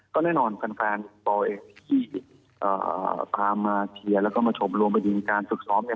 ก็แน่นอนแฟนปอเองที่พามาเคลียร์แล้วก็มาชมรวมไปถึงการฝึกซ้อมเนี่ย